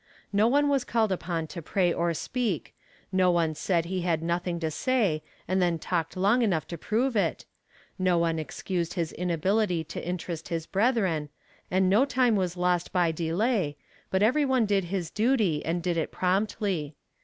No one was called upon to pray or speak, no one said he had nothing to say and then talked long enough to prove it, no one excused his inability to interest his brethren, and no time was lost by delay, but every one did his duty, and did it promptly.